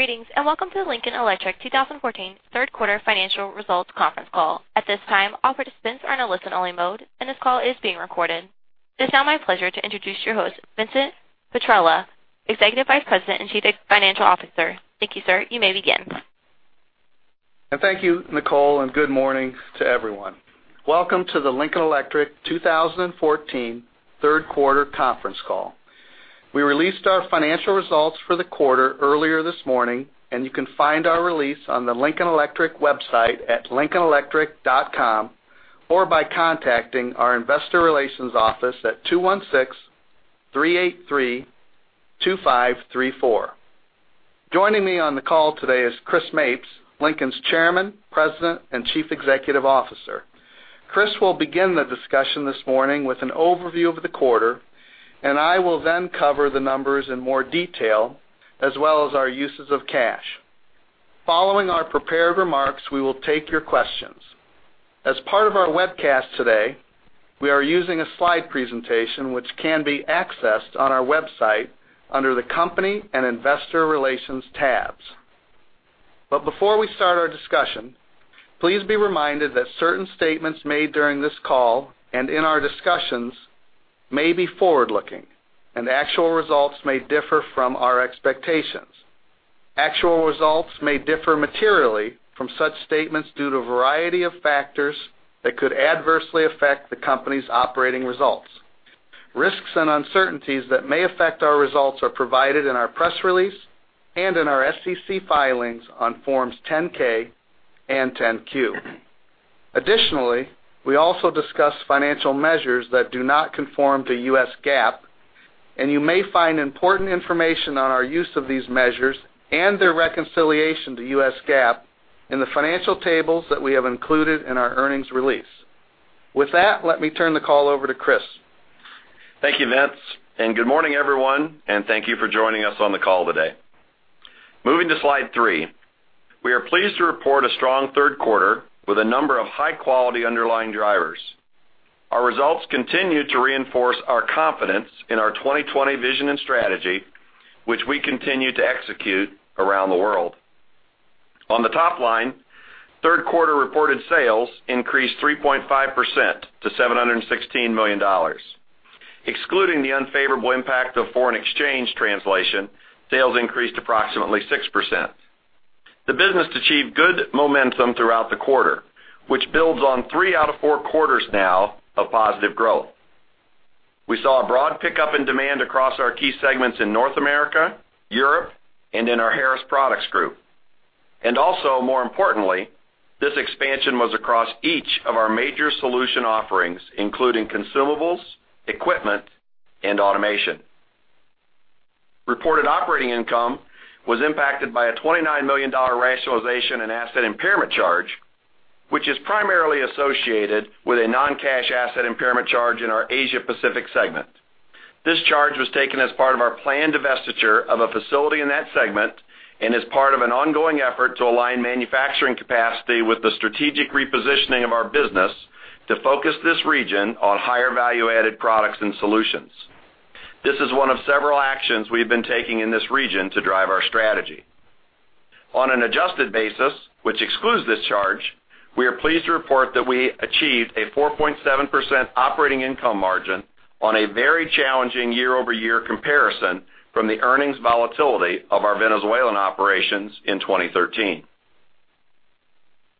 Greetings, welcome to the Lincoln Electric 2014 third quarter financial results conference call. At this time, all participants are in a listen-only mode, this call is being recorded. It's now my pleasure to introduce your host, Vincent Petrella, Executive Vice President and Chief Financial Officer. Thank you, sir. You may begin. Thank you, Nicole, good morning to everyone. Welcome to the Lincoln Electric 2014 third quarter conference call. We released our financial results for the quarter earlier this morning, you can find our release on the lincolnelectric.com website or by contacting our investor relations office at 216-383-2534. Joining me on the call today is Chris Mapes, Lincoln's Chairman, President, and Chief Executive Officer. Chris will begin the discussion this morning with an overview of the quarter, I will then cover the numbers in more detail, as well as our uses of cash. Following our prepared remarks, we will take your questions. As part of our webcast today, we are using a slide presentation, which can be accessed on our website under the Company and Investor Relations tabs. Before we start our discussion, please be reminded that certain statements made during this call and in our discussions may be forward-looking, actual results may differ from our expectations. Actual results may differ materially from such statements due to a variety of factors that could adversely affect the company's operating results. Risks and uncertainties that may affect our results are provided in our press release and in our SEC filings on Forms 10-K and 10-Q. Additionally, we also discuss financial measures that do not conform to US GAAP, you may find important information on our use of these measures and their reconciliation to US GAAP in the financial tables that we have included in our earnings release. With that, let me turn the call over to Chris. Thank you, Vince, good morning, everyone, thank you for joining us on the call today. Moving to Slide 3. We are pleased to report a strong third quarter with a number of high-quality underlying drivers. Our results continue to reinforce our confidence in our 2020 vision and strategy, which we continue to execute around the world. On the top line, third quarter reported sales increased 3.5% to $716 million. Excluding the unfavorable impact of foreign exchange translation, sales increased approximately 6%. The business achieved good momentum throughout the quarter, which builds on three out of four quarters now of positive growth. We saw a broad pickup in demand across our key segments in North America, Europe, in our Harris Products Group. Also, more importantly, this expansion was across each of our major solution offerings, including consumables, equipment, and automation. Reported operating income was impacted by a $29 million rationalization and asset impairment charge, which is primarily associated with a non-cash asset impairment charge in our Asia Pacific segment. This charge was taken as part of our planned divestiture of a facility in that segment and is part of an ongoing effort to align manufacturing capacity with the strategic repositioning of our business to focus this region on higher value-added products and solutions. This is one of several actions we've been taking in this region to drive our strategy. On an adjusted basis, which excludes this charge, we are pleased to report that we achieved a 4.7% operating income margin on a very challenging year-over-year comparison from the earnings volatility of our Venezuelan operations in 2013.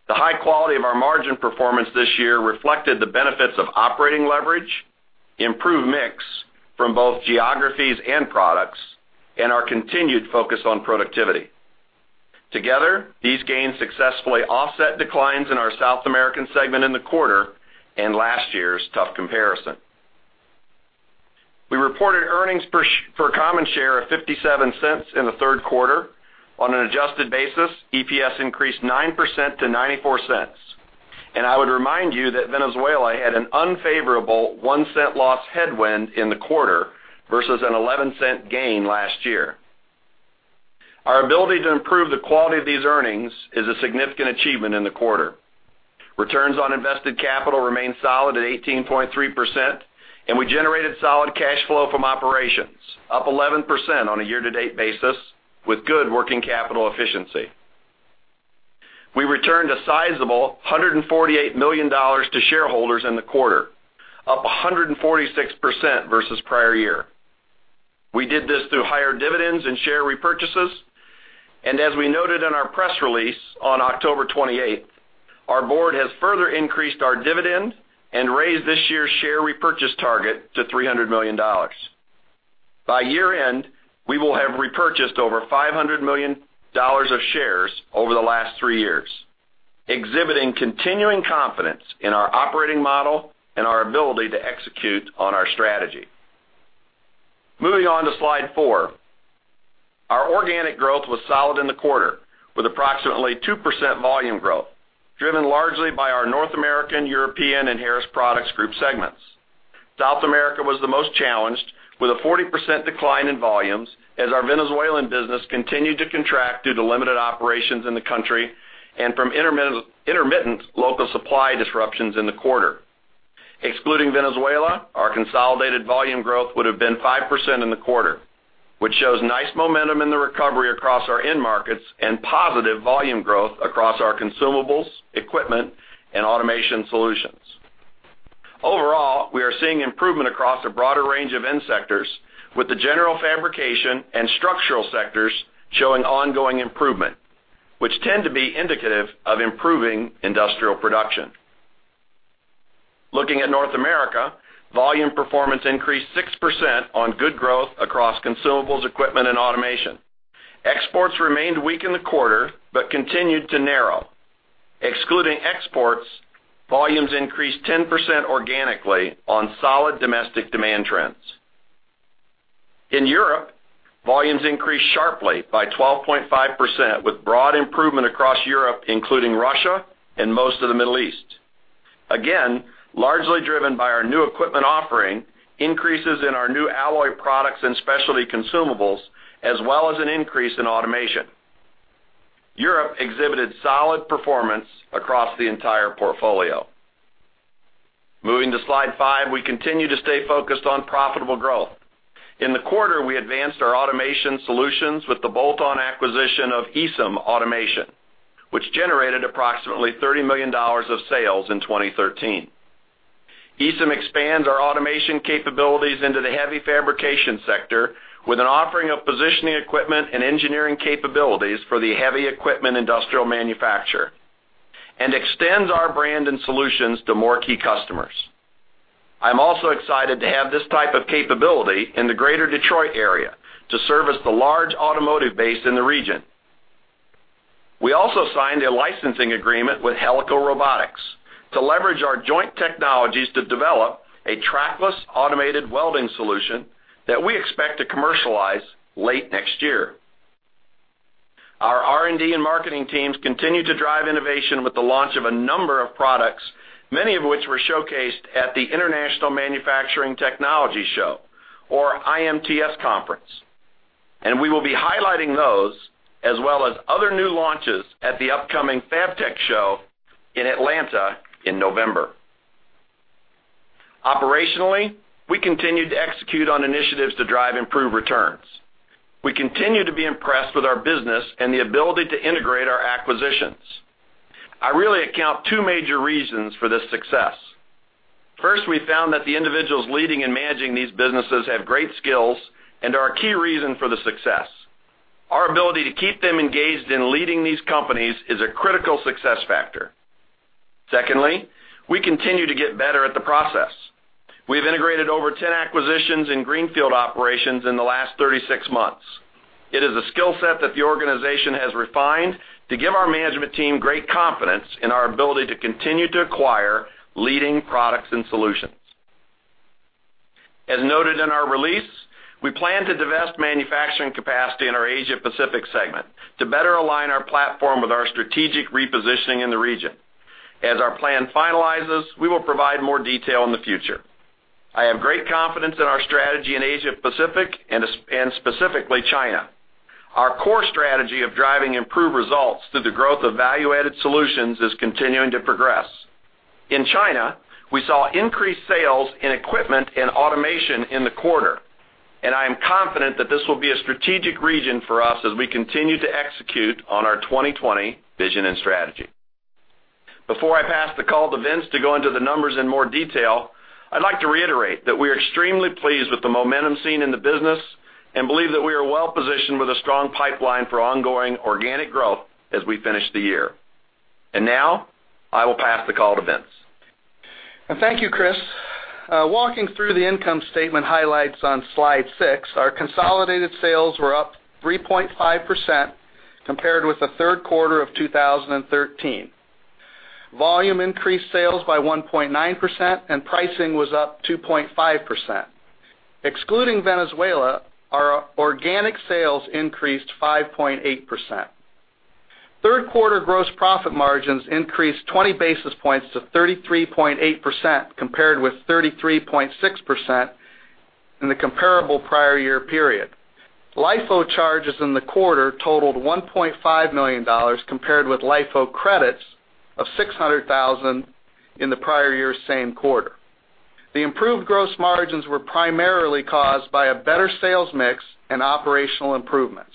The high quality of our margin performance this year reflected the benefits of operating leverage, improved mix from both geographies and products, and our continued focus on productivity. Together, these gains successfully offset declines in our South American segment in the quarter and last year's tough comparison. We reported earnings for common share of $0.57 in the third quarter. On an adjusted basis, EPS increased 9% to $0.94. I would remind you that Venezuela had an unfavorable $0.01 loss headwind in the quarter versus an $0.11 gain last year. Our ability to improve the quality of these earnings is a significant achievement in the quarter. Returns on invested capital remain solid at 18.3%, and we generated solid cash flow from operations, up 11% on a year-to-date basis with good working capital efficiency. We returned a sizable $148 million to shareholders in the quarter, up 146% versus prior year. We did this through higher dividends and share repurchases, and as we noted in our press release on October 28th, our board has further increased our dividend and raised this year's share repurchase target to $300 million. By year-end, we will have repurchased over $500 million of shares over the last three years, exhibiting continuing confidence in our operating model and our ability to execute on our strategy. Moving on to Slide four. Our organic growth was solid in the quarter, with approximately 2% volume growth, driven largely by our North American, European, and The Harris Products Group segments. South America was the most challenged, with a 40% decline in volumes as our Venezuelan business continued to contract due to limited operations in the country and from intermittent local supply disruptions in the quarter. Excluding Venezuela, our consolidated volume growth would have been 5% in the quarter, which shows nice momentum in the recovery across our end markets and positive volume growth across our consumables, equipment, and automation solutions. Overall, we are seeing improvement across a broader range of end sectors, with the general fabrication and structural sectors showing ongoing improvement, which tend to be indicative of improving industrial production. Looking at North America, volume performance increased 6% on good growth across consumables, equipment, and automation. Exports remained weak in the quarter but continued to narrow. Excluding exports, volumes increased 10% organically on solid domestic demand trends. In Europe, volumes increased sharply by 12.5%, with broad improvement across Europe, including Russia and most of the Middle East. Again, largely driven by our new equipment offering, increases in our new alloy products and specialty consumables, as well as an increase in automation. Europe exhibited solid performance across the entire portfolio. Moving to Slide 5. We continue to stay focused on profitable growth. In the quarter, we advanced our automation solutions with the bolt-on acquisition of Easom Automation, which generated approximately $30 million of sales in 2013. Easom expands our automation capabilities into the heavy fabrication sector with an offering of positioning equipment and engineering capabilities for the heavy equipment industrial manufacturer and extends our brand and solutions to more key customers. I'm also excited to have this type of capability in the Greater Detroit area to service the large automotive base in the region. We also signed a licensing agreement with Helical Robotics to leverage our joint technologies to develop a trackless automated welding solution that we expect to commercialize late next year. Our R&D and marketing teams continue to drive innovation with the launch of a number of products, many of which were showcased at the International Manufacturing Technology Show, or IMTS conference, and we will be highlighting those, as well as other new launches at the upcoming FABTECH show in Atlanta in November. Operationally, we continued to execute on initiatives to drive improved returns. We continue to be impressed with our business and the ability to integrate our acquisitions. I really account two major reasons for this success. First, we found that the individuals leading and managing these businesses have great skills and are a key reason for the success. Our ability to keep them engaged in leading these companies is a critical success factor. Secondly, we continue to get better at the process. We have integrated over 10 acquisitions in greenfield operations in the last 36 months. It is a skill set that the organization has refined to give our management team great confidence in our ability to continue to acquire leading products and solutions. As noted in our release, we plan to divest manufacturing capacity in our Asia-Pacific segment to better align our platform with our strategic repositioning in the region. As our plan finalizes, we will provide more detail in the future. I have great confidence in our strategy in Asia-Pacific and specifically China. Our core strategy of driving improved results through the growth of value-added solutions is continuing to progress. In China, we saw increased sales in equipment and automation in the quarter, and I am confident that this will be a strategic region for us as we continue to execute on our 2020 vision and strategy. Before I pass the call to Vince to go into the numbers in more detail, I'd like to reiterate that we are extremely pleased with the momentum seen in the business and believe that we are well-positioned with a strong pipeline for ongoing organic growth as we finish the year. Now I will pass the call to Vince. Thank you, Chris. Walking through the income statement highlights on Slide 6. Our consolidated sales were up 3.5% compared with the third quarter of 2013. Volume increased sales by 1.9%, and pricing was up 2.5%. Excluding Venezuela, our organic sales increased 5.8%. Third quarter gross profit margins increased 20 basis points to 33.8%, compared with 33.6% in the comparable prior year period. LIFO charges in the quarter totaled $1.5 million, compared with LIFO credits of $600,000 in the prior year's same quarter. The improved gross margins were primarily caused by a better sales mix and operational improvements.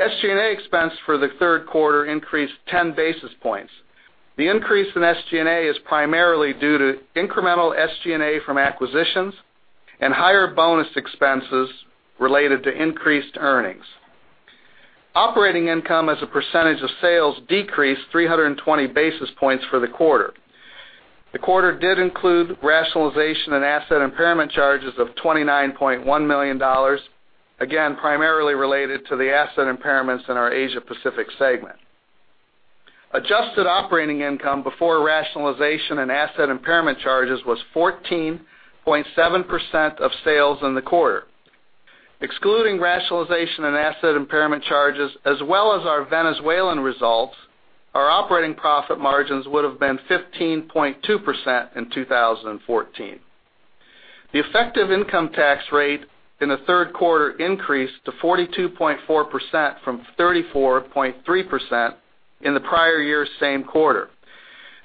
SG&A expense for the third quarter increased 10 basis points. The increase in SG&A is primarily due to incremental SG&A from acquisitions and higher bonus expenses related to increased earnings. Operating income as a percentage of sales decreased 320 basis points for the quarter. The quarter did include rationalization and asset impairment charges of $29.1 million, again, primarily related to the asset impairments in our Asia-Pacific segment. Adjusted operating income before rationalization and asset impairment charges was 14.7% of sales in the quarter. Excluding rationalization and asset impairment charges, as well as our Venezuelan results, our operating profit margins would have been 15.2% in 2014. The effective income tax rate in the third quarter increased to 42.4% from 34.3% in the prior year's same quarter.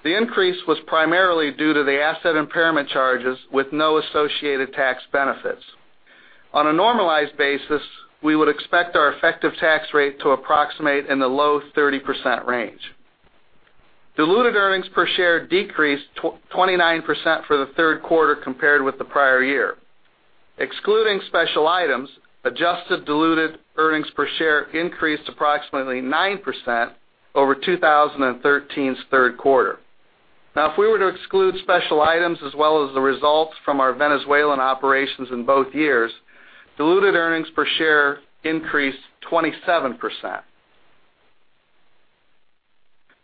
The increase was primarily due to the asset impairment charges with no associated tax benefits. On a normalized basis, we would expect our effective tax rate to approximate in the low 30% range. Diluted earnings per share decreased 29% for the third quarter compared with the prior year. Excluding special items, adjusted diluted earnings per share increased approximately 9% over 2013's third quarter. If we were to exclude special items as well as the results from our Venezuelan operations in both years, diluted earnings per share increased 27%.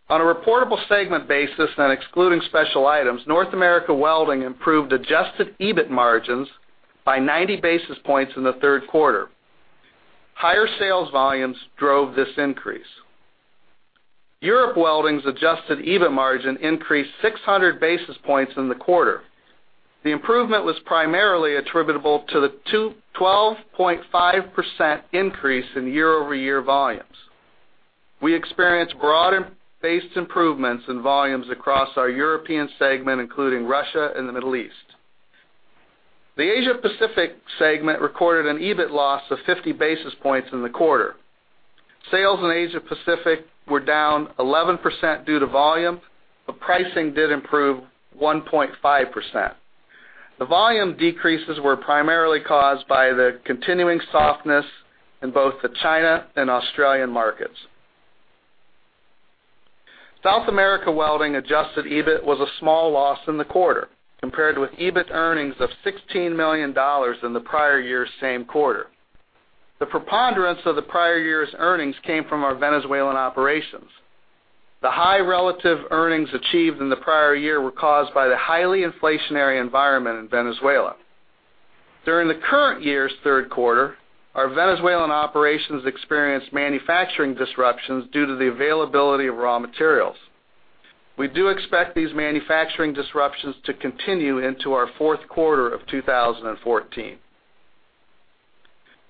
On a reportable segment basis and excluding special items, North America Welding improved adjusted EBIT margins by 90 basis points in the third quarter. Higher sales volumes drove this increase. Europe Welding's adjusted EBIT margin increased 600 basis points in the quarter. The improvement was primarily attributable to the 12.5% increase in year-over-year volumes. We experienced broad-based improvements in volumes across our European segment, including Russia and the Middle East. The Asia-Pacific segment recorded an EBIT loss of 50 basis points in the quarter. Sales in Asia-Pacific were down 11% due to volume, but pricing did improve 1.5%. The volume decreases were primarily caused by the continuing softness in both the China and Australian markets. South America Welding adjusted EBIT was a small loss in the quarter compared with EBIT earnings of $16 million in the prior year's same quarter. The preponderance of the prior year's earnings came from our Venezuelan operations. The high relative earnings achieved in the prior year were caused by the highly inflationary environment in Venezuela. During the current year's third quarter, our Venezuelan operations experienced manufacturing disruptions due to the availability of raw materials. We do expect these manufacturing disruptions to continue into our fourth quarter of 2014.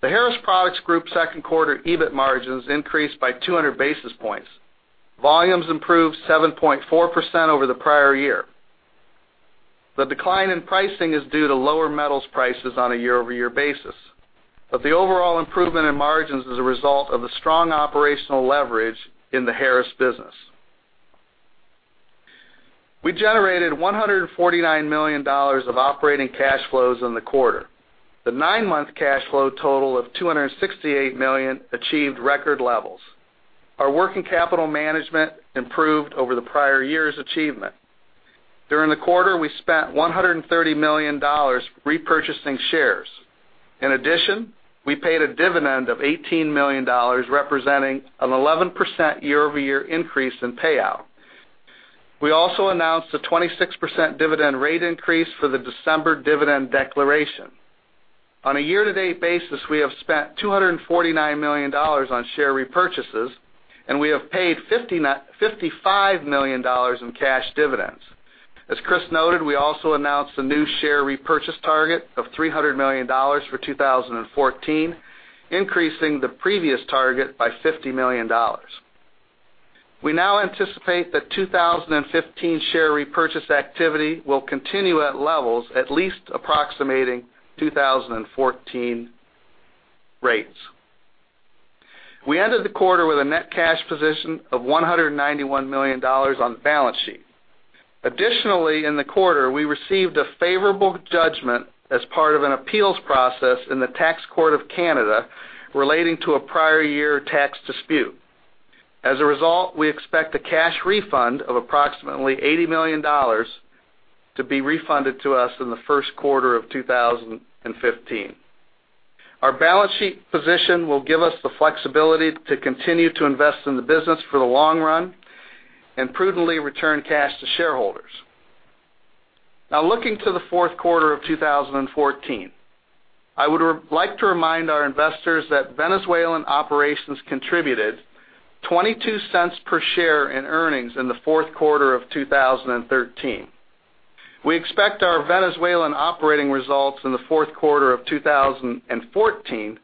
The Harris Products Group second quarter EBIT margins increased by 200 basis points. Volumes improved 7.4% over the prior year. The decline in pricing is due to lower metals prices on a year-over-year basis, but the overall improvement in margins is a result of the strong operational leverage in the Harris business. We generated $149 million of operating cash flows in the quarter. The nine-month cash flow total of $268 million achieved record levels. Our working capital management improved over the prior year's achievement. During the quarter, we spent $130 million repurchasing shares. In addition, we paid a dividend of $18 million, representing an 11% year-over-year increase in payout. We also announced a 26% dividend rate increase for the December dividend declaration. On a year-to-date basis, we have spent $249 million on share repurchases, and we have paid $55 million in cash dividends. As Chris noted, we also announced a new share repurchase target of $300 million for 2014, increasing the previous target by $50 million. We now anticipate that 2015 share repurchase activity will continue at levels at least approximating 2014 rates. We ended the quarter with a net cash position of $191 million on the balance sheet. Additionally, in the quarter, we received a favorable judgment as part of an appeals process in the Tax Court of Canada relating to a prior year tax dispute. As a result, we expect a cash refund of approximately $80 million to be refunded to us in the first quarter of 2015. Our balance sheet position will give us the flexibility to continue to invest in the business for the long run and prudently return cash to shareholders. Looking to the fourth quarter of 2014, I would like to remind our investors that Venezuelan operations contributed $0.22 per share in earnings in the fourth quarter of 2013. We expect our Venezuelan operating results in the fourth quarter of 2014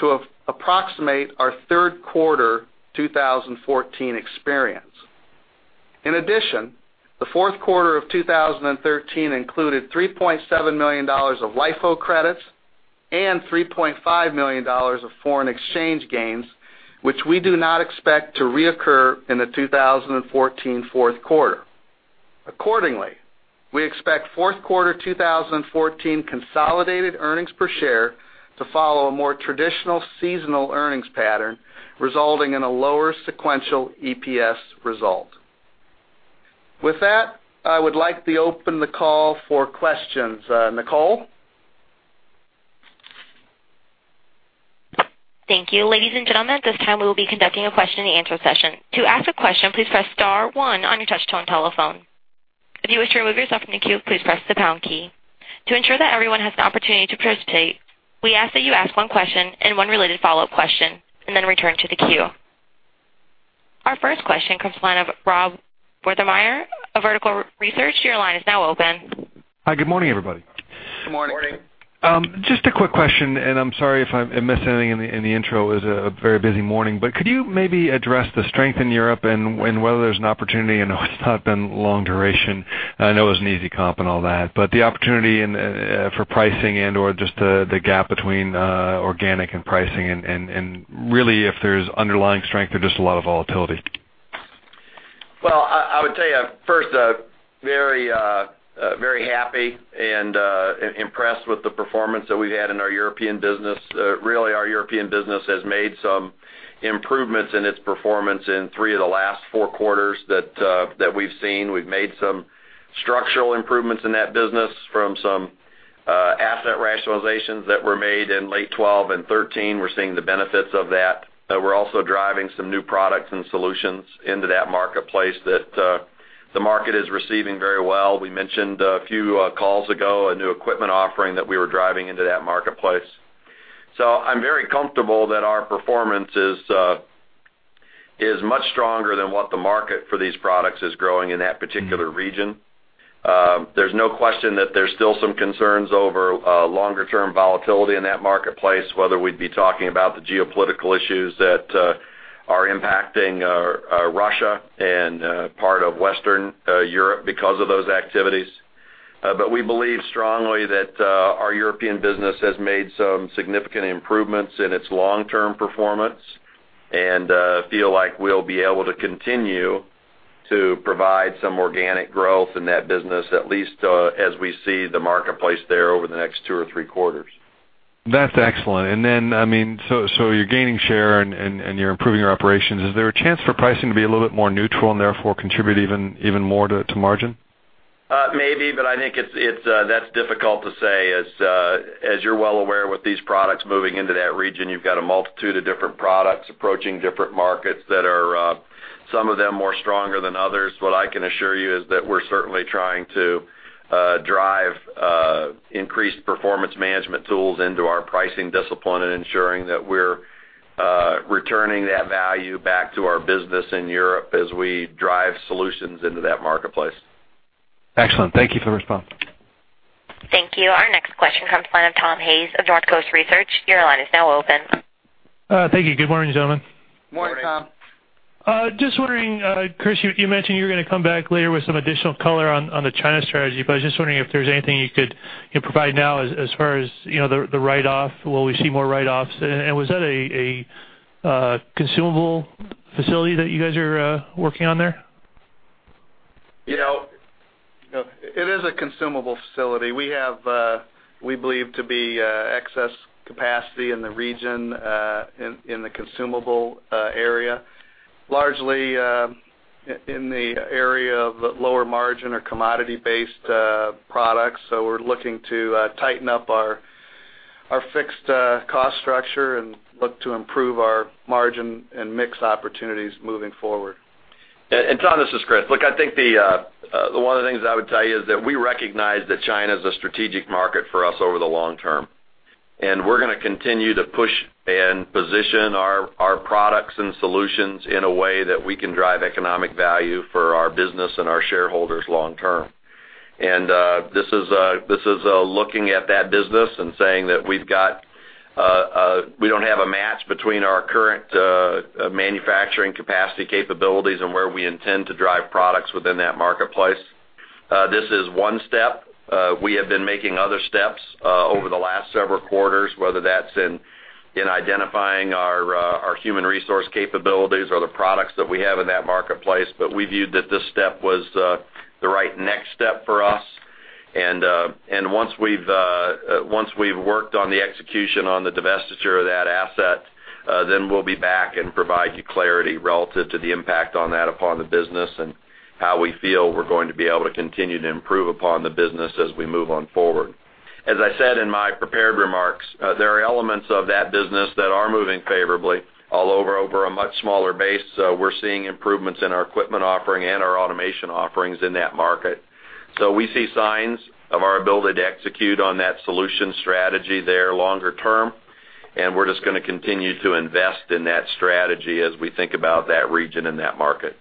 to approximate our third quarter 2014 experience. In addition, the fourth quarter of 2013 included $3.7 million of LIFO credits and $3.5 million of foreign exchange gains, which we do not expect to reoccur in the 2014 fourth quarter. Accordingly, we expect fourth quarter 2014 consolidated earnings per share to follow a more traditional seasonal earnings pattern, resulting in a lower sequential EPS result. With that, I would like to open the call for questions. Nicole? Thank you. Ladies and gentlemen, at this time, we will be conducting a question and answer session. To ask a question, please press star one on your touch-tone telephone. If you wish to remove yourself from the queue, please press the pound key. To ensure that everyone has an opportunity to participate, we ask that you ask one question and one related follow-up question, and then return to the queue. Our first question comes from the line of Rob Wertheimer of Vertical Research. Your line is now open. Hi. Good morning, everybody. Good morning. Just a quick question. I'm sorry if I missed anything in the intro, it was a very busy morning, could you maybe address the strength in Europe and whether there's an opportunity, I know it's not been long duration. I know it was an easy comp and all that, but the opportunity for pricing and/or just the gap between organic and pricing and really if there's underlying strength or just a lot of volatility. Well, I would tell you first, very happy and impressed with the performance that we've had in our European business. Really, our European business has made some improvements in its performance in three of the last four quarters that we've seen. We've made some structural improvements in that business from some asset rationalizations that were made in late 2012 and 2013. We're seeing the benefits of that. We're also driving some new products and solutions into that marketplace that the market is receiving very well. We mentioned a few calls ago, a new equipment offering that we were driving into that marketplace. I'm very comfortable that our performance is much stronger than what the market for these products is growing in that particular region. There's no question that there's still some concerns over long-term volatility in that marketplace, whether we'd be talking about the geopolitical issues that are impacting Russia and part of Western Europe because of those activities. We believe strongly that our European business has made some significant improvements in its long-term performance and feel like we'll be able to continue to provide some organic growth in that business, at least as we see the marketplace there over the next two or three quarters. That's excellent. You're gaining share and you're improving your operations. Is there a chance for pricing to be a little bit more neutral and therefore contribute even more to margin? Maybe, I think that's difficult to say. As you're well aware, with these products moving into that region, you've got a multitude of different products approaching different markets that are, some of them more stronger than others. What I can assure you is that we're certainly trying to drive increased performance management tools into our pricing discipline and ensuring that we're returning that value back to our business in Europe as we drive solutions into that marketplace. Excellent. Thank you for the response. Thank you. Our next question comes from the line of Tom Hayes of Northcoast Research. Your line is now open. Thank you. Good morning, gentlemen. Morning, Tom. Just wondering, Chris, you mentioned you were going to come back later with some additional color on the China strategy, but I was just wondering if there's anything you could provide now as far as the write-off. Will we see more write-offs? Was that a consumable facility that you guys are working on there? It is a consumable facility. We have, we believe to be excess capacity in the region, in the consumable area, largely in the area of lower margin or commodity based products. We're looking to tighten up our fixed cost structure and look to improve our margin and mix opportunities moving forward. Tom, this is Chris. Look, I think one of the things that I would tell you is that we recognize that China is a strategic market for us over the long term. We're going to continue to push and position our products and solutions in a way that we can drive economic value for our business and our shareholders long term. This is looking at that business and saying that we don't have a match between our current manufacturing capacity capabilities and where we intend to drive products within that marketplace. This is one step. We have been making other steps over the last several quarters, whether that's in identifying our human resource capabilities or the products that we have in that marketplace. We viewed that this step was the right next step for us. Once we've worked on the execution on the divestiture of that asset, then we'll be back and provide you clarity relative to the impact on that upon the business and how we feel we're going to be able to continue to improve upon the business as we move on forward. As I said in my prepared remarks, there are elements of that business that are moving favorably all over a much smaller base. We're seeing improvements in our equipment offering and our automation offerings in that market. We see signs of our ability to execute on that solution strategy there longer term. We're just going to continue to invest in that strategy as we think about that region and that market.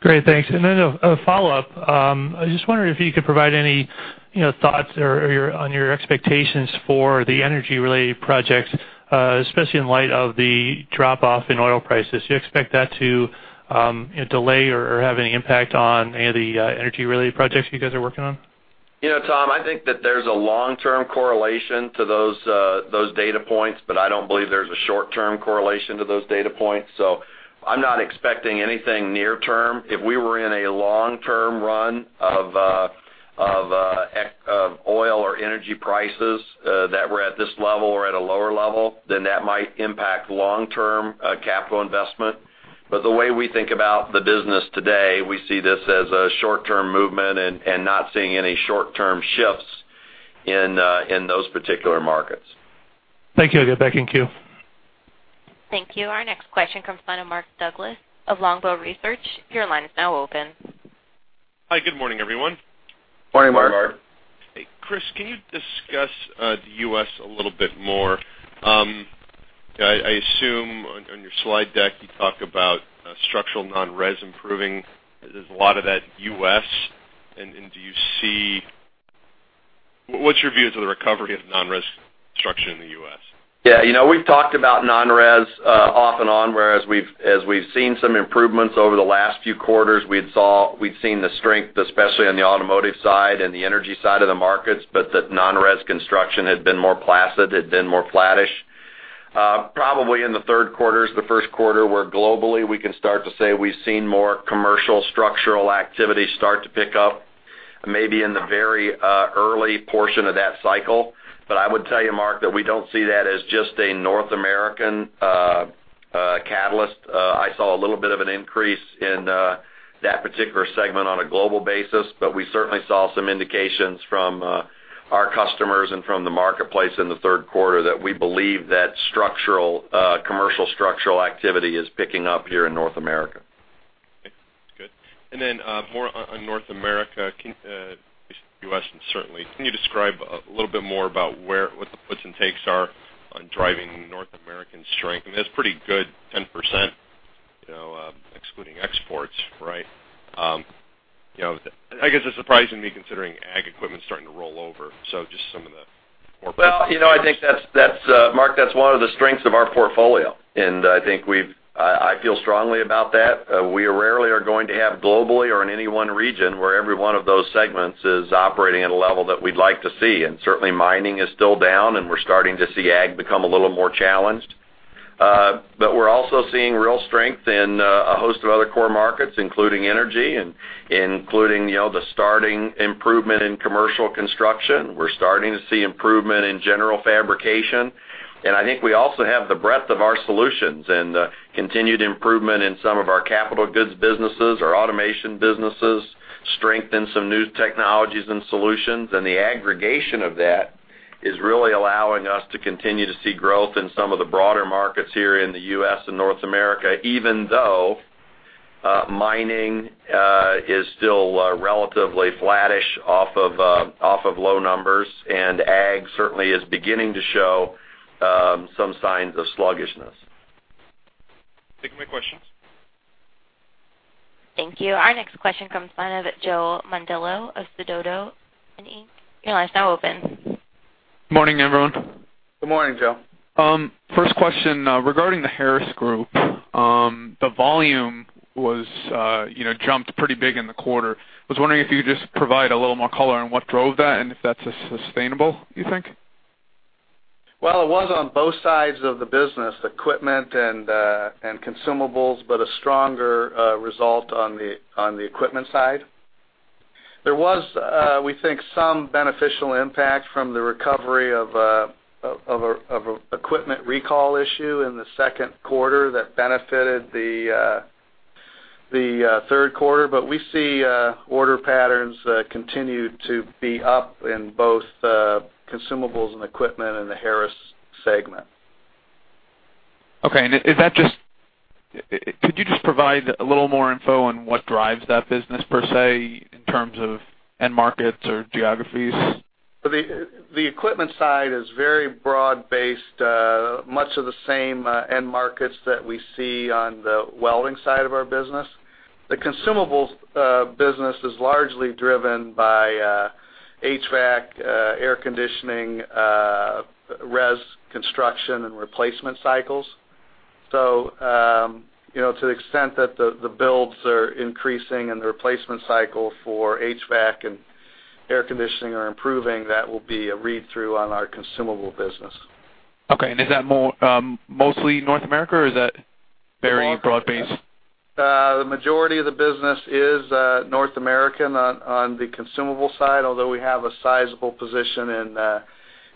Great. Thanks. Then a follow-up. I just wonder if you could provide any thoughts on your expectations for the energy related projects, especially in light of the drop off in oil prices. Do you expect that to delay or have any impact on any of the energy related projects you guys are working on? Tom, I think that there's a long term correlation to those data points, but I don't believe there's a short term correlation to those data points. I'm not expecting anything near term. If we were in a long term run of oil or energy prices that were at this level or at a lower level, then that might impact long term capital investment. The way we think about the business today, we see this as a short term movement and not seeing any short term shifts in those particular markets. Thank you. I'll get back in queue. Thank you. Our next question comes from the line of Mark Douglass of Longbow Research. Your line is now open. Hi, good morning, everyone. Morning, Mark. Morning, Mark. Hey, Chris, can you discuss the U.S. a little bit more? I assume on your slide deck, you talk about structural non-res improving. There's a lot of that U.S. What's your view as to the recovery of non-res construction in the U.S.? Yeah. We've talked about non-res off and on, where as we've seen some improvements over the last few quarters, we'd seen the strength, especially on the automotive side and the energy side of the markets, but that non-res construction had been more placid, had been more flattish. Probably in the third quarter is the first quarter where globally we can start to say we've seen more commercial structural activity start to pick up, maybe in the very early portion of that cycle. I would tell you, Mark, that we don't see that as just a North American catalyst. I saw a little bit of an increase in that particular segment on a global basis, but we certainly saw some indications from our customers and from the marketplace in the third quarter that we believe that commercial structural activity is picking up here in North America. Okay. Good. More on North America, U.S. certainly, can you describe a little bit more about what the puts and takes are on driving North American strength? I mean, that's pretty good, 10%, excluding exports, right? I guess it's surprising me considering ag equipment's starting to roll over. Just some of the core- Well, I think, Mark, that's one of the strengths of our portfolio. I feel strongly about that. We rarely are going to have globally or in any one region where every one of those segments is operating at a level that we'd like to see. Certainly, mining is still down, and we're starting to see ag become a little more challenged. We're also seeing real strength in a host of other core markets, including energy and including the starting improvement in commercial construction. We're starting to see improvement in general fabrication. I think we also have the breadth of our solutions and the continued improvement in some of our capital goods businesses, our automation businesses, strength in some new technologies and solutions. The aggregation of that is really allowing us to continue to see growth in some of the broader markets here in the U.S. and North America, even though mining is still relatively flattish off of low numbers, and ag certainly is beginning to show some signs of sluggishness. That's it for my questions. Thank you. Our next question comes one of Joe Mondillo of Sidoti & Co. Your line is now open. Morning, everyone. Good morning, Joe. First question, regarding the Harris Group. The volume jumped pretty big in the quarter. Was wondering if you could just provide a little more color on what drove that, and if that's sustainable, you think? Well, it was on both sides of the business, equipment and consumables, but a stronger result on the equipment side. There was, we think, some beneficial impact from the recovery of a equipment recall issue in the second quarter that benefited the third quarter. We see order patterns continue to be up in both consumables and equipment in the Harris segment. Okay. Could you just provide a little more info on what drives that business, per se, in terms of end markets or geographies? The equipment side is very broad-based, much of the same end markets that we see on the welding side of our business. The consumables business is largely driven by HVAC, air conditioning, res construction, and replacement cycles. To the extent that the builds are increasing and the replacement cycle for HVAC and air conditioning are improving, that will be a read-through on our consumable business. Okay. Is that mostly North America, or is that very broad-based? The majority of the business is North American on the consumable side, although we have a sizable position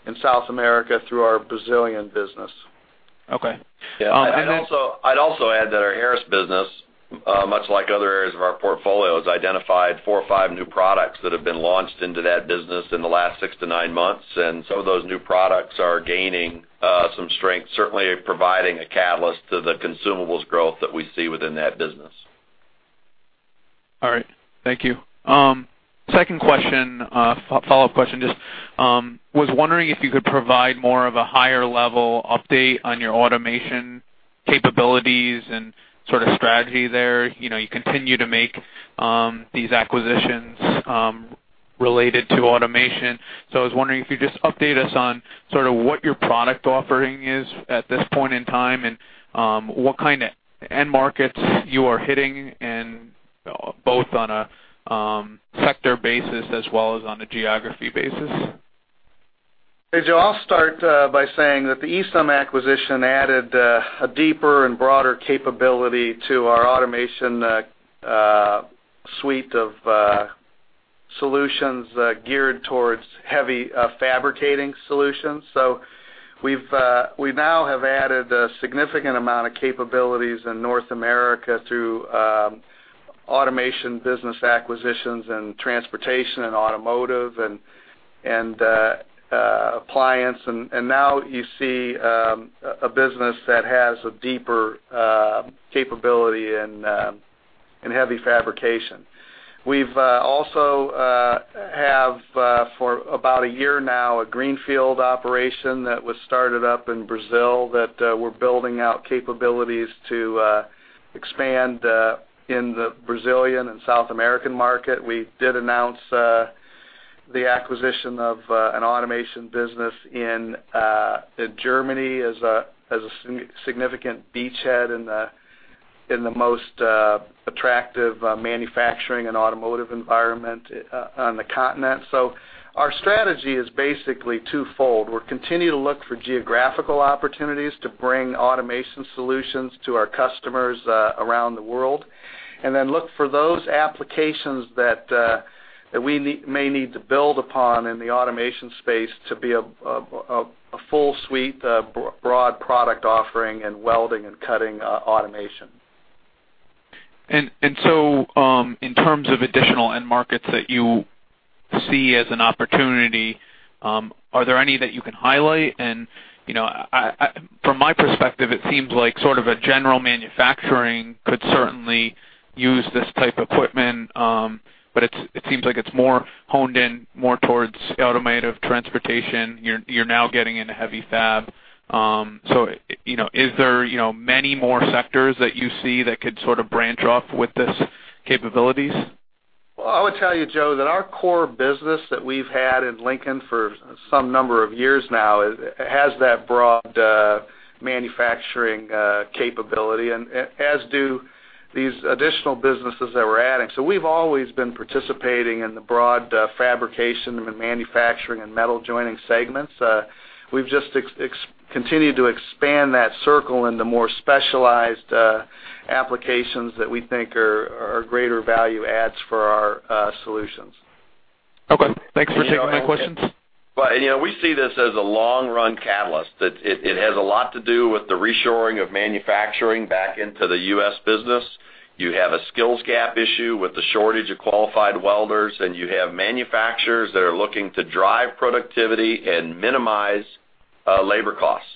in South America through our Brazilian business. Okay. Yeah. I'd also add that our Harris business, much like other areas of our portfolio, has identified four or five new products that have been launched into that business in the last six to nine months. Some of those new products are gaining some strength, certainly providing a catalyst to the consumables growth that we see within that business. All right. Thank you. Second question, follow-up question. Just was wondering if you could provide more of a higher-level update on your automation capabilities and sort of strategy there. You continue to make these acquisitions related to automation. I was wondering if you'd just update us on sort of what your product offering is at this point in time and what kind of end markets you are hitting, both on a sector basis as well as on a geography basis. Hey, Joe, I'll start by saying that the Easom acquisition added a deeper and broader capability to our automation suite of solutions geared towards heavy fabricating solutions. We now have added a significant amount of capabilities in North America through automation business acquisitions in transportation and automotive and appliance. Now you see a business that has a deeper capability in Heavy fabrication. We've also have, for about a year now, a greenfield operation that was started up in Brazil that we're building out capabilities to expand in the Brazilian and South American market. We did announce the acquisition of an automation business in Germany as a significant beachhead in the most attractive manufacturing and automotive environment on the continent. Our strategy is basically twofold. We'll continue to look for geographical opportunities to bring automation solutions to our customers around the world. Then look for those applications that we may need to build upon in the automation space to be a full suite, broad product offering in welding and cutting automation. In terms of additional end markets that you see as an opportunity, are there any that you can highlight? From my perspective, it seems like sort of a general manufacturing could certainly use this type of equipment. It seems like it's more honed in more towards automotive transportation. You're now getting into heavy fab. Is there many more sectors that you see that could branch off with these capabilities? I would tell you, Joe, that our core business that we've had in Lincoln for some number of years now, has that broad manufacturing capability, and as do these additional businesses that we're adding. We've always been participating in the broad fabrication, and the manufacturing, and metal joining segments. We've just continued to expand that circle into more specialized applications that we think are greater value adds for our solutions. Thanks for taking my questions. We see this as a long-run catalyst, that it has a lot to do with the reshoring of manufacturing back into the U.S. business. You have a skills gap issue with the shortage of qualified welders, and you have manufacturers that are looking to drive productivity and minimize labor costs.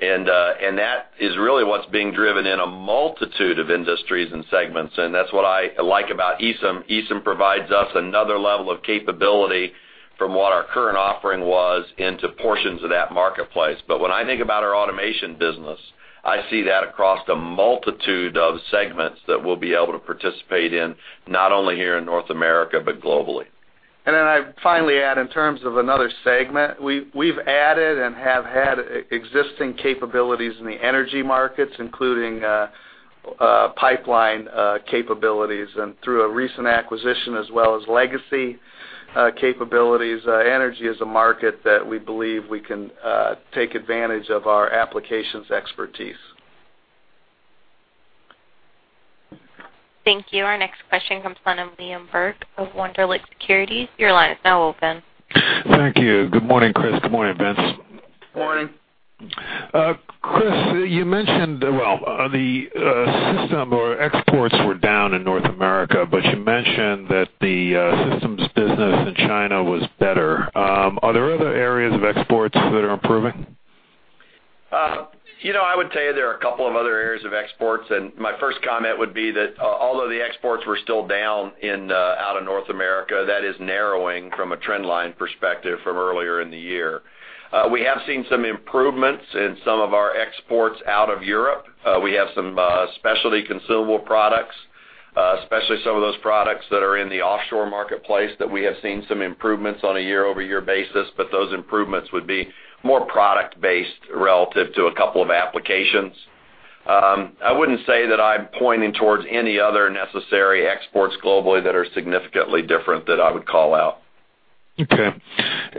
That is really what's being driven in a multitude of industries and segments. That's what I like about Easom. Easom provides us another level of capability from what our current offering was into portions of that marketplace. When I think about our automation business, I see that across the multitude of segments that we'll be able to participate in, not only here in North America, but globally. Then I'd finally add in terms of another segment, we've added and have had existing capabilities in the energy markets, including pipeline capabilities. Through a recent acquisition as well as legacy capabilities, energy is a market that we believe we can take advantage of our applications expertise. Thank you. Our next question comes from Liam Burke of Wunderlich Securities. Your line is now open. Thank you. Good morning, Chris. Good morning, Vince. Morning. Chris, you mentioned, well, the system or exports were down in North America. You mentioned that the systems business in China was better. Are there other areas of exports that are improving? I would tell you there are a couple of other areas of exports. My first comment would be that although the exports were still down out of North America, that is narrowing from a trend line perspective from earlier in the year. We have seen some improvements in some of our exports out of Europe. We have some specialty consumable products, especially some of those products that are in the offshore marketplace that we have seen some improvements on a year-over-year basis. Those improvements would be more product based relative to a couple of applications. I wouldn't say that I'm pointing towards any other necessary exports globally that are significantly different that I would call out. Okay.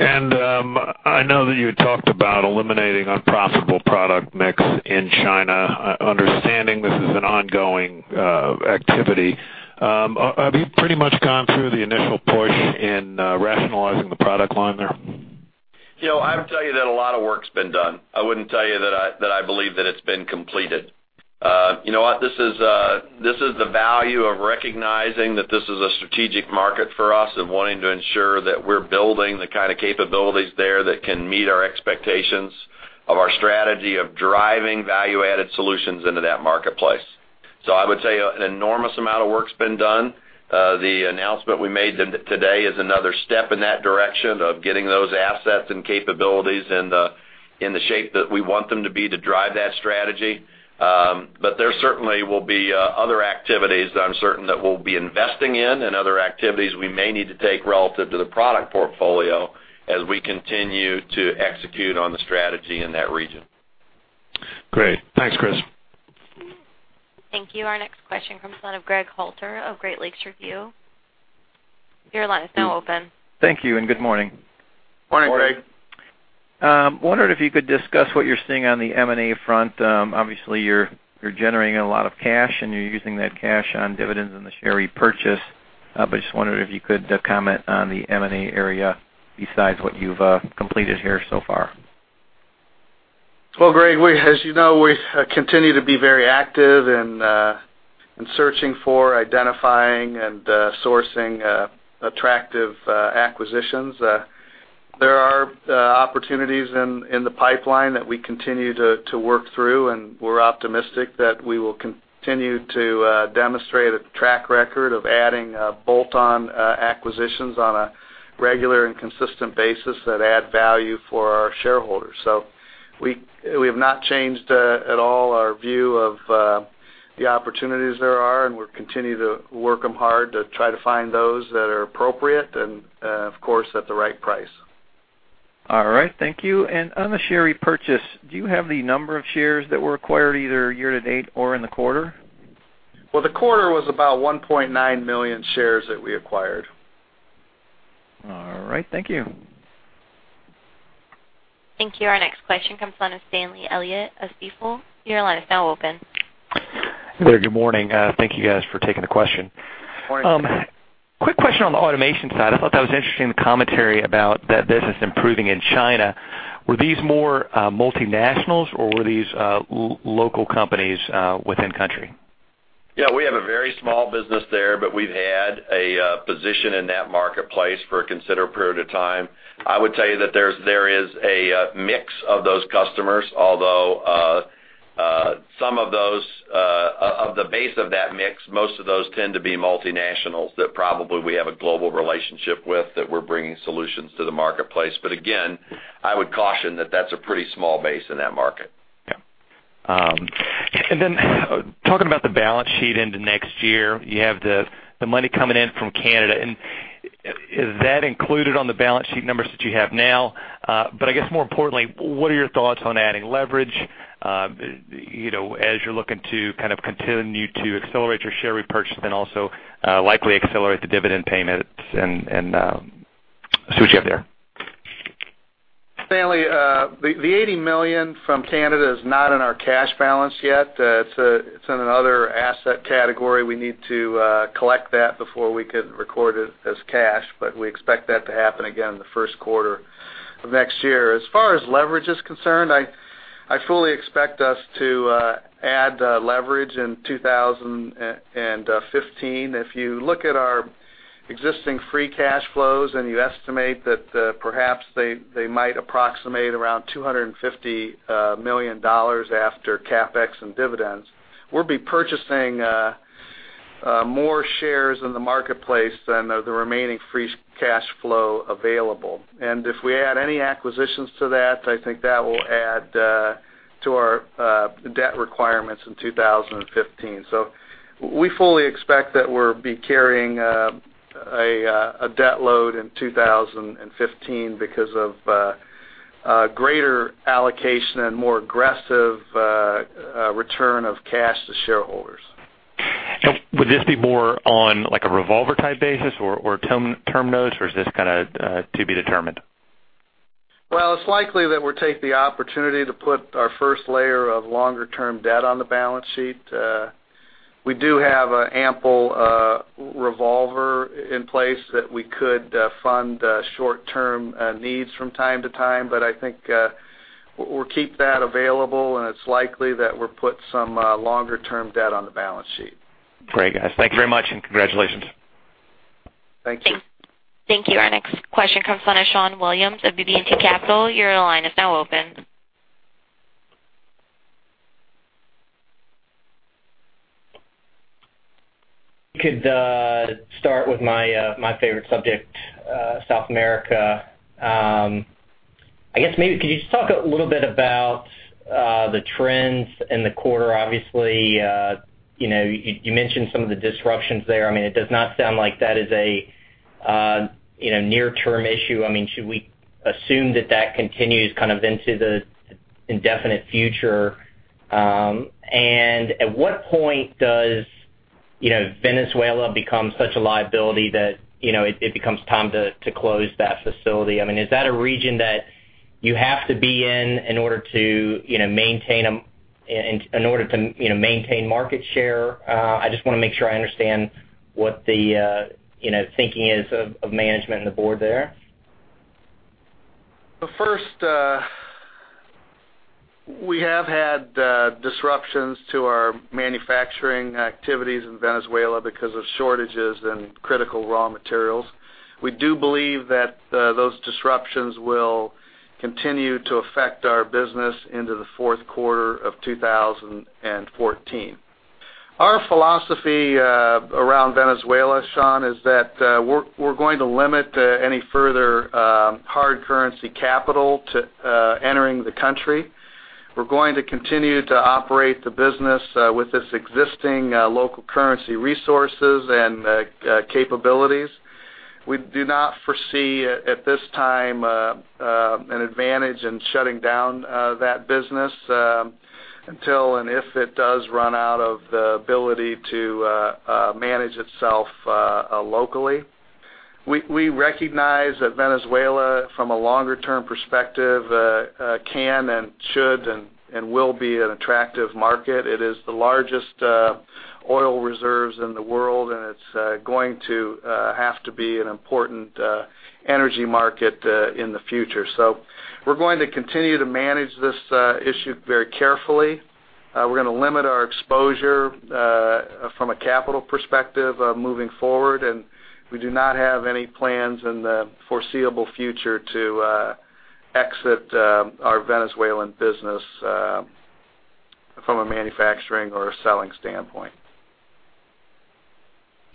I know that you had talked about eliminating unprofitable product mix in China. Understanding this is an ongoing activity. Have you pretty much gone through the initial push in rationalizing the product line there? I would tell you that a lot of work's been done. I wouldn't tell you that I believe that it's been completed. You know what, this is the value of recognizing that this is a strategic market for us and wanting to ensure that we're building the kind of capabilities there that can meet our expectations of our strategy of driving value-added solutions into that marketplace. I would say an enormous amount of work's been done. The announcement we made today is another step in that direction of getting those assets and capabilities in the shape that we want them to be to drive that strategy. There certainly will be other activities that I'm certain that we'll be investing in and other activities we may need to take relative to the product portfolio as we continue to execute on the strategy in that region. Great. Thanks, Chris. Thank you. Our next question comes from the line of Greg Halter of Great Lakes Review. Your line is now open. Thank you, good morning. Morning, Greg. Morning. Wondered if you could discuss what you're seeing on the M&A front. Obviously, you're generating a lot of cash, and you're using that cash on dividends and the share repurchase. Just wondered if you could comment on the M&A area besides what you've completed here so far. Well, Greg, as you know, we continue to be very active in searching for, identifying, and sourcing attractive acquisitions. There are opportunities in the pipeline that we continue to work through, we're optimistic that we will continue to demonstrate a track record of adding bolt-on acquisitions on a regular and consistent basis that add value for our shareholders. We have not changed at all our view of the opportunities there are, and we'll continue to work them hard to try to find those that are appropriate and, of course, at the right price. All right, thank you. On the share repurchase, do you have the number of shares that were acquired either year-to-date or in the quarter? Well, the quarter was about 1.9 million shares that we acquired. All right, thank you. Thank you. Our next question comes from Stanley Elliott of Stifel. Your line is now open. Hey there. Good morning. Thank you guys for taking the question. Morning. Quick question on the automation side. I thought that was interesting, the commentary about that business improving in China. Were these more multinationals or were these local companies within country? Yeah, we have a very small business there, but we've had a position in that marketplace for a considerable period of time. I would tell you that there is a mix of those customers, although some of the base of that mix, most of those tend to be multinationals that probably we have a global relationship with that we're bringing solutions to the marketplace. Again, I would caution that that's a pretty small base in that market. Yeah. Talking about the balance sheet into next year, you have the money coming in from Canada. Is that included on the balance sheet numbers that you have now? I guess more importantly, what are your thoughts on adding leverage, as you're looking to kind of continue to accelerate your share repurchase and also likely accelerate the dividend payments and see what you have there? Stanley, the $80 million from Canada is not in our cash balance yet. It's in another asset category. We need to collect that before we could record it as cash, but we expect that to happen again in the first quarter of next year. As far as leverage is concerned, I fully expect us to add leverage in 2015. If you look at our existing free cash flows and you estimate that perhaps they might approximate around $250 million after CapEx and dividends, we'll be purchasing more shares in the marketplace than the remaining free cash flow available. If we add any acquisitions to that, I think that will add to our debt requirements in 2015. We fully expect that we'll be carrying a debt load in 2015 because of greater allocation and more aggressive return of cash to shareholders. Would this be more on like a revolver type basis or term notes, or is this kind of to be determined? Well, it's likely that we'll take the opportunity to put our first layer of longer-term debt on the balance sheet. We do have an ample revolver in place that we could fund short-term needs from time to time. I think we'll keep that available, and it's likely that we'll put some longer-term debt on the balance sheet. Great, guys. Thank you very much, and congratulations. Thank you. Thank you. Our next question comes from Sean Williams of BB&T Capital. Your line is now open. Could start with my favorite subject, South America. I guess maybe could you just talk a little bit about the trends in the quarter, obviously, you mentioned some of the disruptions there. It does not sound like that is a near-term issue. Should we assume that that continues kind of into the indefinite future? At what point does Venezuela become such a liability that it becomes time to close that facility? Is that a region that you have to be in order to maintain market share? I just want to make sure I understand what the thinking is of management and the board there. First, we have had disruptions to our manufacturing activities in Venezuela because of shortages in critical raw materials. We do believe that those disruptions will continue to affect our business into the fourth quarter of 2014. Our philosophy around Venezuela, Sean, is that we're going to limit any further hard currency capital to entering the country. We're going to continue to operate the business with its existing local currency resources and capabilities. We do not foresee, at this time, an advantage in shutting down that business, until and if it does run out of the ability to manage itself locally. We recognize that Venezuela, from a longer-term perspective, can and should and will be an attractive market. It is the largest oil reserves in the world, and it's going to have to be an important energy market in the future. We're going to continue to manage this issue very carefully. We're going to limit our exposure from a capital perspective moving forward, and we do not have any plans in the foreseeable future to exit our Venezuelan business from a manufacturing or a selling standpoint.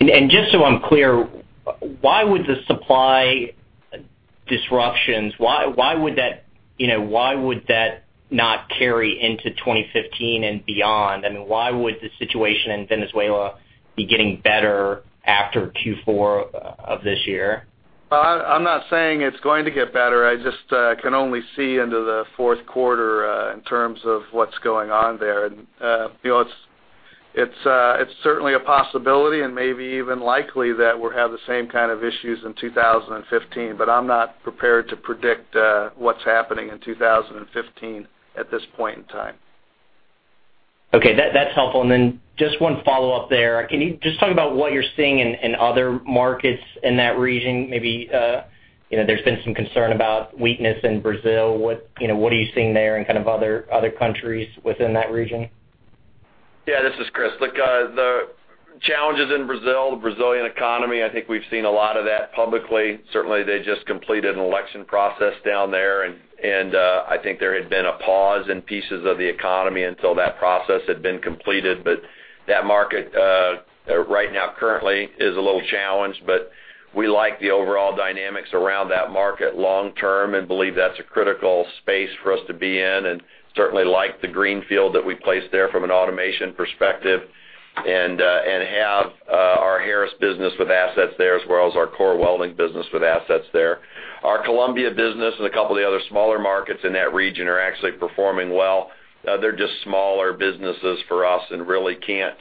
Just so I'm clear, why would the supply disruptions, why would that not carry into 2015 and beyond? Why would the situation in Venezuela be getting better after Q4 of this year? I'm not saying it's going to get better. I just can only see into the fourth quarter in terms of what's going on there. It's certainly a possibility and maybe even likely that we'll have the same kind of issues in 2015. I'm not prepared to predict what's happening in 2015 at this point in time. Okay. That's helpful. Then just one follow-up there. Can you just talk about what you're seeing in other markets in that region? Maybe there's been some concern about weakness in Brazil. What are you seeing there and kind of other countries within that region? Yeah, this is Chris. Look, the challenges in Brazil, the Brazilian economy, I think we've seen a lot of that publicly. Certainly, they just completed an election process down there. I think there had been a pause in pieces of the economy until that process had been completed. That market right now currently is a little challenged, we like the overall dynamics around that market long term and believe that's a critical space for us to be in, certainly like the greenfield that we placed there from an automation perspective and have our Harris business with assets there, as well as our core welding business with assets there. Our Colombia business and a couple of the other smaller markets in that region are actually performing well. They're just smaller businesses for us really can't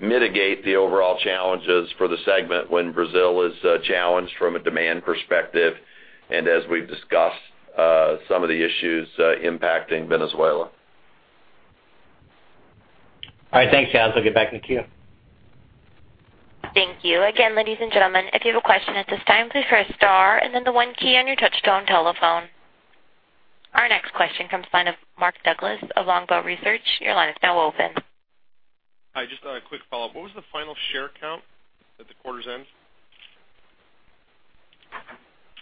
mitigate the overall challenges for the segment when Brazil is challenged from a demand perspective, as we've discussed, some of the issues impacting Venezuela. All right. Thanks, guys. I'll get back in the queue. Thank you. Again, ladies and gentlemen, if you have a question at this time, please press star and then the one key on your touchtone telephone. Our next question comes from the line of Mark Douglass of Longbow Research. Your line is now open. Hi, just a quick follow-up. What was the final share count at the quarter's end?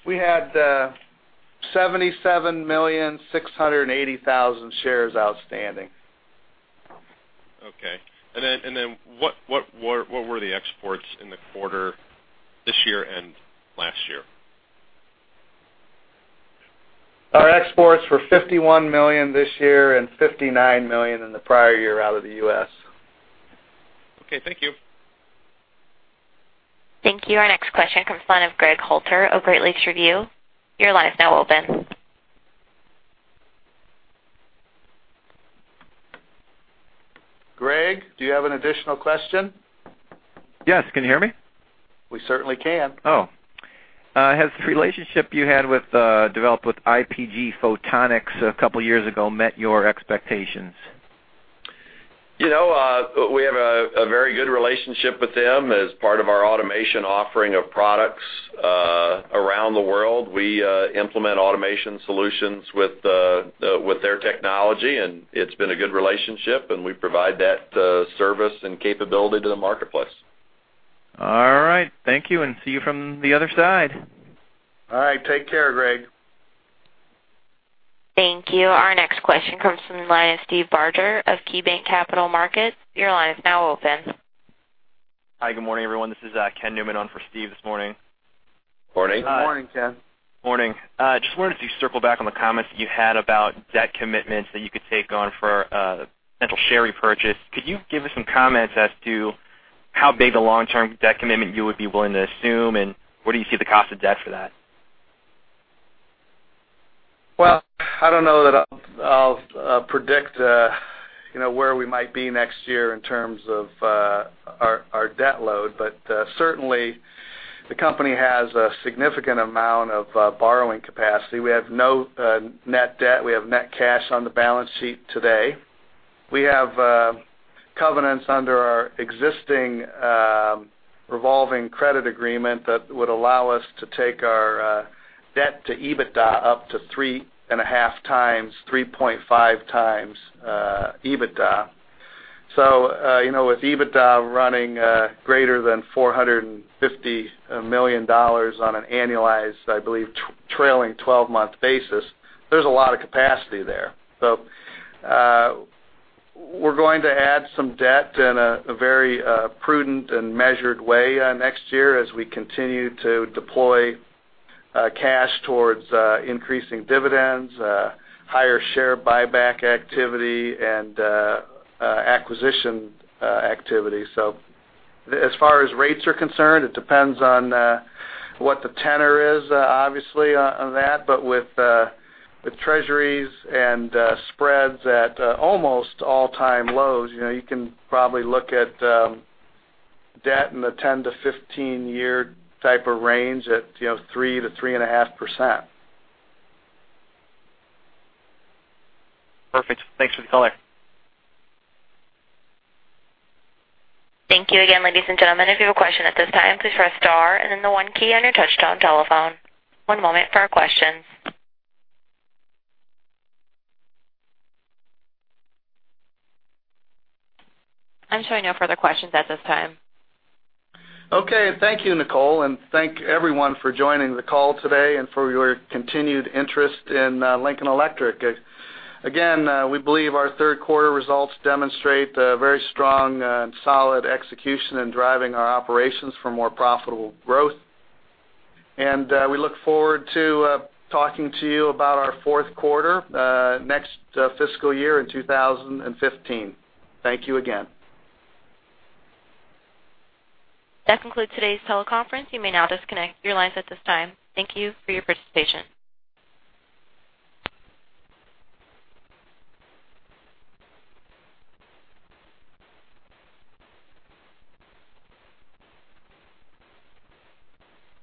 We had 77,680,000 shares outstanding. Okay. What were the exports in the quarter this year and last year? Our exports were $51 million this year and $59 million in the prior year out of the U.S. Okay. Thank you. Thank you. Our next question comes from the line of Greg Halter of Great Lakes Review. Your line is now open. Greg, do you have an additional question? Yes. Can you hear me? We certainly can. Oh. Has the relationship you had developed with IPG Photonics a couple of years ago met your expectations? We have a very good relationship with them as part of our automation offering of products around the world. We implement automation solutions with their technology, and it's been a good relationship, and we provide that service and capability to the marketplace. All right. Thank you, and see you from the other side. All right. Take care, Greg. Thank you. Our next question comes from the line of Steve Barger of KeyBanc Capital Markets. Your line is now open. Hi, good morning, everyone. This is Ken Newman on for Steve this morning. Morning. Morning, Ken. Morning. Just wanted to circle back on the comments that you had about debt commitments that you could take on for potential share repurchase. Could you give us some comments as to how big a long-term debt commitment you would be willing to assume, and where do you see the cost of debt for that? Well, I don't know that I'll predict where we might be next year in terms of our debt load. Certainly, the company has a significant amount of borrowing capacity. We have no net debt. We have net cash on the balance sheet today. We have covenants under our existing revolving credit agreement that would allow us to take our debt to EBITDA up to 3.5 times EBITDA. With EBITDA running greater than $450 million on an annualized, I believe, trailing 12-month basis, there's a lot of capacity there. We're going to add some debt in a very prudent and measured way next year as we continue to deploy cash towards increasing dividends, higher share buyback activity, and acquisition activity. As far as rates are concerned, it depends on what the tenor is, obviously, on that, but with treasuries and spreads at almost all-time lows, you can probably look at debt in the 10- to 15-year type of range at 3% to 3.5%. Perfect. Thanks for the color. Thank you again, ladies and gentlemen. If you have a question at this time, please press star and then the one key on your touch-tone telephone. One moment for our questions. I'm showing no further questions at this time. Okay. Thank you, Nicole, and thank everyone for joining the call today and for your continued interest in Lincoln Electric. Again, we believe our third quarter results demonstrate a very strong and solid execution in driving our operations for more profitable growth. We look forward to talking to you about our fourth quarter next fiscal year in 2015. Thank you again. That concludes today's teleconference. You may now disconnect your lines at this time. Thank you for your participation.